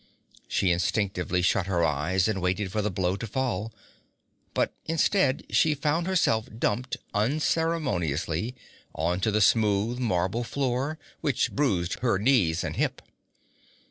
She instinctively shut her eyes and waited for the blow to fall. But instead she felt herself dumped unceremoniously onto the smooth marble floor, which bruised her knees and hip.